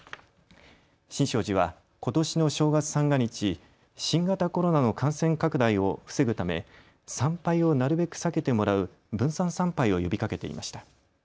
新勝寺は、ことしの正月三が日、新型コロナの感染拡大を防ぐため参拝をなるべく避けてもらう分散参拝を呼びかけていました。